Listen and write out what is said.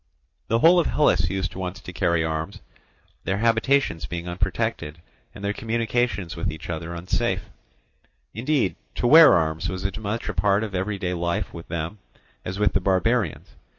The whole of Hellas used once to carry arms, their habitations being unprotected and their communication with each other unsafe; indeed, to wear arms was as much a part of everyday life with them as with the barbarians.